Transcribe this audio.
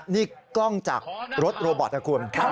นี่กล้องจากรถโรบอตนะคุณ